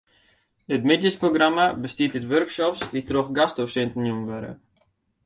It middeisprogramma bestiet út workshops dy't troch gastdosinten jûn wurde.